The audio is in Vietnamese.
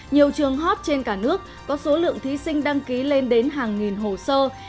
nhiều trường hot trên cả nước có số lượng thí sinh đăng ký lên đến hàng nghìn hồ sơ